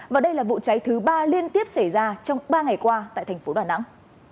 và đây là vụ cháy thứ ba liên tiếp xảy ra trong ba ngày qua tại thành phố đà nẵng